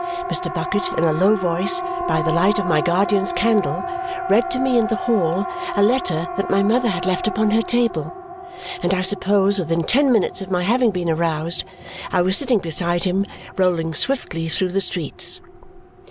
Mr. Bucket, in a low voice, by the light of my guardian's candle, read to me in the hall a letter that my mother had left upon her table; and I suppose within ten minutes of my having been aroused I was sitting beside him, rolling swiftly through the streets.